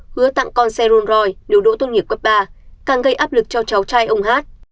hứa tặng con xe rolls royce nếu đỗ tôn nghiệp quốc ba càng gây áp lực cho cháu trai ông h